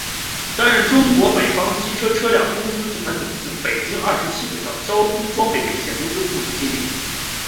担任中国北方机车车辆工业集团公司北京二七轨道交通装备有限责任公司副总经理。